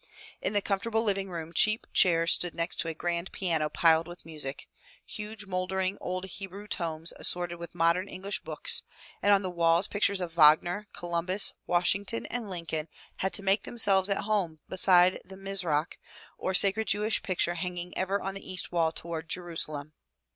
In the comfortable living room cheap chairs stood next a grand piano piled with music; huge mouldering old Hebrew tomes assorted 177 MY BOOK HOUSE with modern English books; and on the walls pictures of Wagner, Columbus, Washington, and Lincoln had to make themselves at home beside the Mizrach, or sacred Jewish picture hanging ever on the east wall toward Jerusalem.